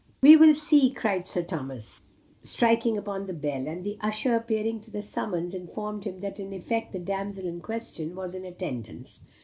"We will see," cried Sir Thomas, striking upon the bell. And the usher, appearing to the summons, informed him that in effect the damsel in question was in attendance.